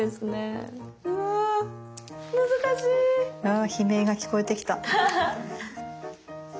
あ悲鳴が聞こえてきた。